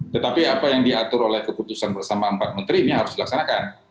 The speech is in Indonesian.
tetapi apa yang diatur oleh keputusan bersama empat menteri ini harus dilaksanakan